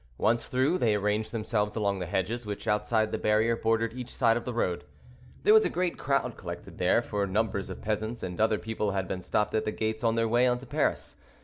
Once through, they arranged themselves along the hedges, which, outside the barrier, bordered each side of the road. There was a great crowd collected there, for numbers of peasants and other people had been stopped at the gates on their way into Paris.